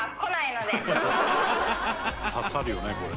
刺さるよねこれ。